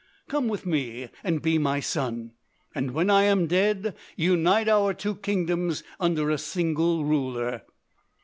Come with me and be my son, and when I am dead unite our two kingdoms under a single ruler."